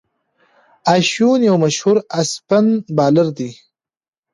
اشوين یو مشهور اسپن بالر دئ.